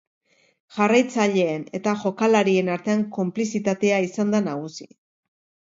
Jarraitzaileen eta jokalarien artean konplizitatea izan da nagusi.